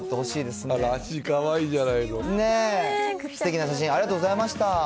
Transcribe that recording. すてきな写真、ありがとうございました。